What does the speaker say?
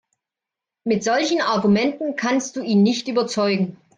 Mit solchen Argumenten kannst du ihn nicht überzeugen.